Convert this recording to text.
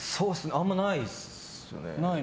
あんまりないですね。